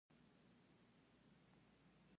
رشقه د څارویو د تغذیې لپاره کرل کیږي